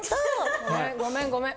ごめんごめん。